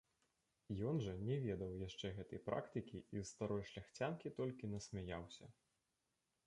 Ён жа не ведаў яшчэ гэтай практыкі і з старой шляхцянкі толькі насмяяўся.